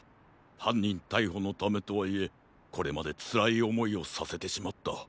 はんにんたいほのためとはいえこれまでつらいおもいをさせてしまった。